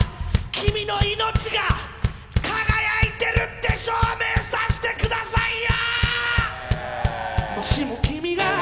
君の命が輝いてるって証明させてくださいよ。